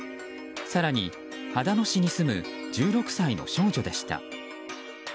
更に秦野市に住む１６歳の少女でした。